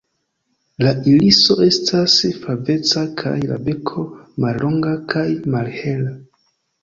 La iriso estas flaveca kaj la beko mallonga kaj malhela.